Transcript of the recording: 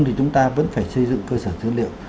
thì chúng ta vẫn phải xây dựng cơ sở dữ liệu